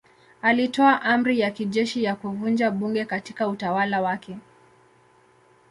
Alitoa amri ya kijeshi ya kuvunja bunge katika utawala wake.